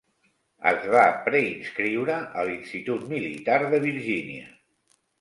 Es va preinscriure a l'institut militar de Virginia.